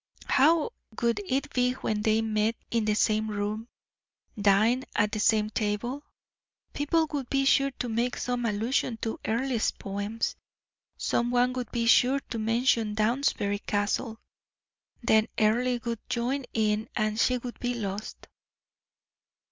How would it be when they met in the same room, dined at the same table? People would be sure to make some allusion to Earle's poems, some one would be sure to mention Downsbury Castle, then Earle would join in and she would be lost.